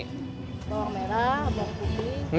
bawang merah bawang putih